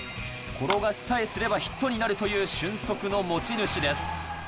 転がしさえすればヒットになるという俊足の持ち主です。